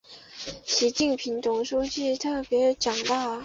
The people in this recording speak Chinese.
习近平总书记特别讲到